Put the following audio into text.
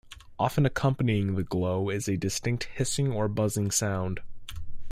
Often accompanying the glow is a distinct hissing or buzzing sound.